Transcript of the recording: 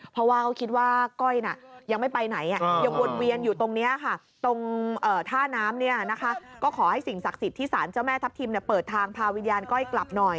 เพราะว่าเขาคิดว่าก้อยยังไม่ไปไหนยังวนเวียนอยู่ตรงนี้ค่ะ